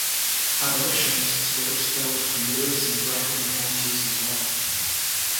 Abolitionists were expelled from Lewis and Bracken counties as well.